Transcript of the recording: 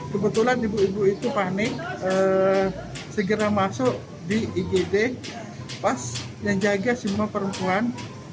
kebetulan ibu ibu itu panik segera masuk di igd pas menjaga semua perempuan